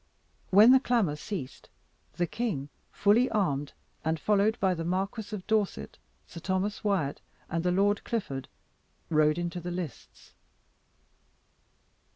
When the clamour ceased, the king fully armed, and followed by the Marquis of Dorset, Sir Thomas Wyat, and the Lord Clifford, rode into the lists.